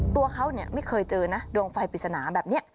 ตัวเขาไม่เคยเจอนะดวงไฟปริศนาแบบนี้